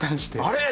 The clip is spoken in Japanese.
「あれ？」